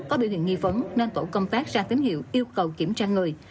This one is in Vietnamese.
có biểu hiện nghi phấn nên tổ công tác ra tím hiệu yêu cầu kiểm tra người